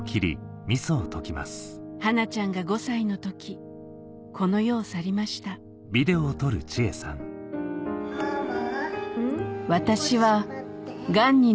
はなちゃんが５歳の時この世を去りましたママ。